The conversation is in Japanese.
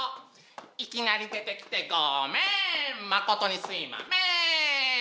いきなり出てきてゴメンまことにすいまメン！